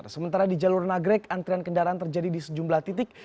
sementara di jalur nagrek antrian kendaraan terjadi di sejumlah titik